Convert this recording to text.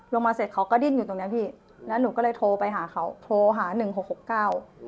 มาเสร็จเขาก็ดิ้นอยู่ตรงเนี้ยพี่แล้วหนูก็เลยโทรไปหาเขาโทรหาหนึ่งหกหกเก้า